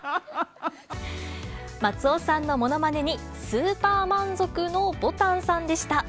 松尾さんのものまねに、スーパー満足のぼたんさんでした。